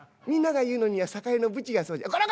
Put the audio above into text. みんなが言うのには酒屋のブチがそうじゃ」。